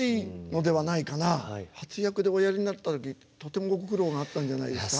初役でおやりになったりとてもご苦労があったんじゃないですか。